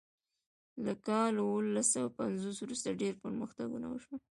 له کال اوولس سوه پنځوس وروسته ډیر پرمختګونه وشول.